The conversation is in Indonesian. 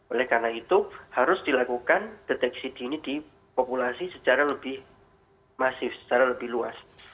oleh karena itu harus dilakukan deteksi dini di populasi secara lebih masif secara lebih luas